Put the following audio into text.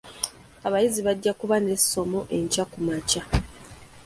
Abayizi bajja kuba n'essomo enkya kumakya.